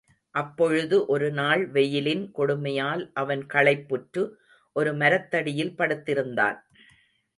அப்பொழுது ஒரு நாள், வெயிலின் கொடுமையால் அவன் களைப்புற்று, ஒரு மரத்தடியில் படுத்திருந்தான்.